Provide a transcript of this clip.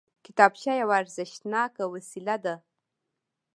کتابچه یوه ارزښتناکه وسیله ده